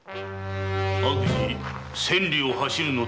「悪事千里を走る」の例え。